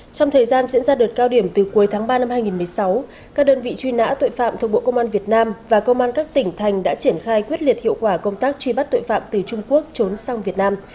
trong thời gian diễn ra đợt cao điểm từ cuối tháng ba năm hai nghìn một mươi sáu các đơn vị truy nã tội phạm thuộc bộ công an việt nam và công an các tỉnh thành đã triển khai quyết liệt hiệu quả công tác truy bắt tội phạm từ trung quốc trốn sang việt nam